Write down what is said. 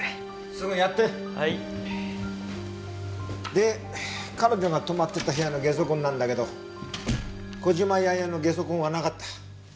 で彼女が泊まってた部屋のゲソ痕なんだけど小島弥生のゲソ痕はなかった。